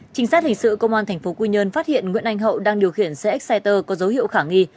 trình sát hình sự công an tp quy nhơn phát hiện nguyễn anh hậu đang điều khiển xe exciter có dấu hiệu khả nghi